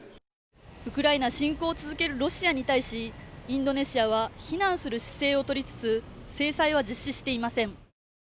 ウクライナ侵攻を続けるロシアに対しインドネシアは非難する姿勢を取りつつ制裁は実施していません。